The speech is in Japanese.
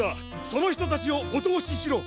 そのひとたちをおとおししろ。